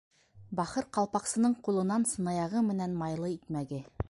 Бахыр Ҡалпаҡсының ҡулынан сынаяғы менән майлы икмәге